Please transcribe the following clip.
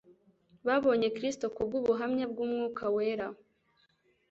Babonye Kristo kubw'ubuhamya bw'Umnwka Wera